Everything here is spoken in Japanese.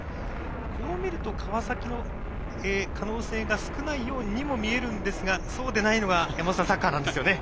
こう見ると川崎の可能性が少ないようにも見えるんですがそうでないのがサッカーなんですよね。